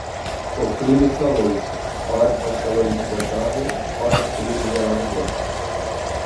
O clima está louco: ora faz calor insuportável, ora frio de gelar os ossos.